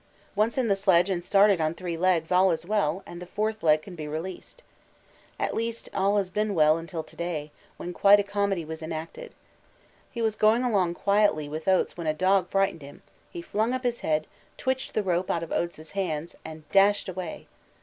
Once in the sledge and started on three legs all is well and the fourth leg can be released. At least, all has been well until to day, when quite a comedy was enacted. He was going along quietly with Oates when a dog frightened him: he flung up his head, twitched the rope out of Oates' hands and dashed away.